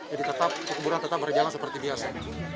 jadi kukuburang tetap berjalan seperti biasa